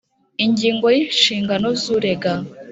Ingingo ya Inshingano z urega